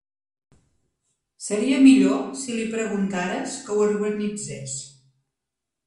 Seria millor si li preguntares que ho organitzés.